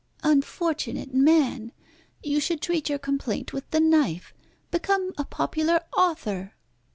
"Unfortunate man! You should treat your complaint with the knife. Become a popular author."